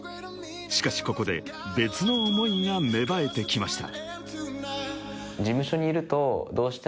［しかしここで別の思いが芽生えてきました］